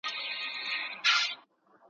د نړۍ رنګونه هره ورځ بدلیږي